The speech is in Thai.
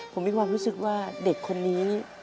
ผมมีความรู้สึกว่าเด็กคนนี้